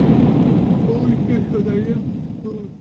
অবিশ্বাস্য, তাই না?